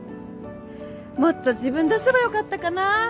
もっと自分出せばよかったかな。